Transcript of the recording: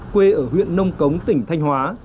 quê ở huyện nông cống tỉnh thanh hóa